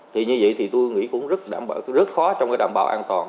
thì như vậy thì tôi nghĩ cũng rất khó trong cái đảm bảo an toàn